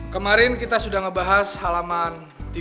kemarin kita sudah ngebahas halaman tiga ratus tujuh puluh lima